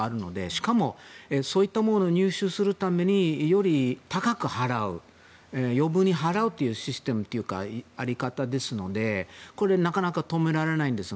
しかもそういったものを入手するためにより高く払う余分に払うシステムというかやり方ですのでなかなか止められないんです。